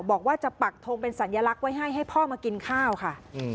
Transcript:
บอกว่าจะปักทงเป็นสัญลักษณ์ไว้ให้ให้พ่อมากินข้าวค่ะ